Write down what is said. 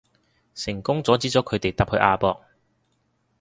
成功阻止咗佢哋搭去亞博